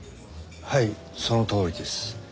はいそのとおりです。